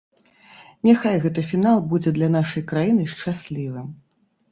Няхай гэты фінал будзе для нашай краіны шчаслівым!